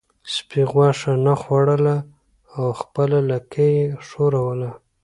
سپي غوښه نه خوړله او خپله لکۍ یې ښوروله.